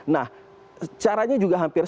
nah caranya juga hampir